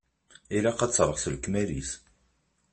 Ilaq ad terɣ s lekmal-is.